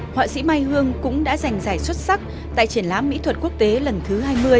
họa sĩ mai hương cũng đã giành giải xuất sắc tại triển lãm mỹ thuật quốc tế lần thứ hai mươi